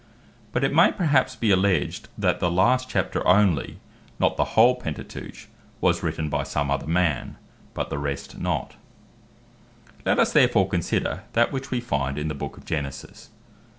But it may perhaps be alledged, that the last Chapter only, not the whole Pentateuch, was written by some other man, but the rest not: Let us therefore consider that which we find in the Book of Genesis, Chap.